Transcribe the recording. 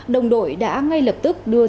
đồng đội đã ngay lập tức đưa